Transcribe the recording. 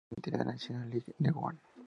Actualmente milita en la China League One.